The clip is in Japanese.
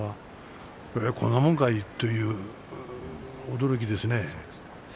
こんなもんかい？という驚きですね。